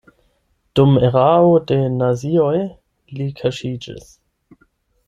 Dum erao de nazioj li kaŝiĝis.